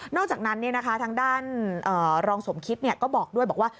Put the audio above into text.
อกจากนั้นทางด้านรองสมคิดก็บอกด้วยบอกว่า